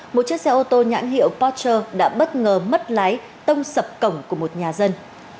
một chiếc xe ô tô nhãn hiệu pocher đã bất ngờ mất lái tông sập cổng của một nhà dân